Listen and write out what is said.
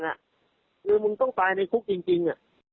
คือมึงต้องตายในคุกจริง